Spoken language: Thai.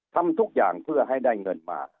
ทำทุกอย่างเพื่อให้ได้เงินมา